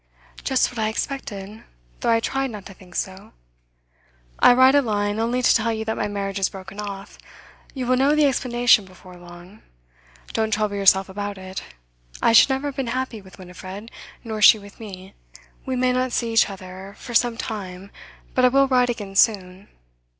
'Just what I expected though I tried not to think so. "I write aline only to tell you that my marriage is broken off. You will know the explanation before long. Don't trouble yourself about it. I should never have been happy with Winifred, nor she with me. We may not see each other for some time, but I will write again soon."